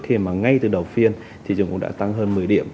khi mà ngay từ đầu phiên thị trường cũng đã tăng hơn một mươi điểm